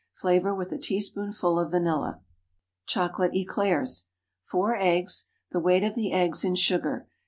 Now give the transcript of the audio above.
Flavor with a teaspoonful of vanilla. CHOCOLATE ÉCLAIRS. 4 eggs. The weight of the eggs in sugar.